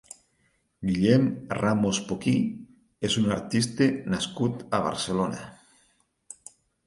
Guillem Ramos-Poquí és un artista nascut a Barcelona.